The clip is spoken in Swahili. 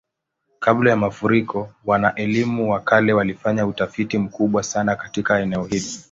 Kabla ya mafuriko, wana-elimu wa kale walifanya utafiti mkubwa sana katika eneo hili.